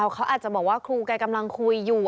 เขาอาจจะบอกว่าครูแกกำลังคุยอยู่